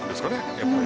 やっぱり。